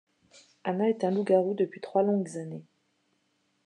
Anna est un loup-garou depuis trois longues années.